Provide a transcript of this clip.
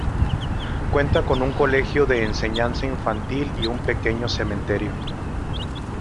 Cuenta con un colegio de enseñanza infantil y un pequeño cementerio.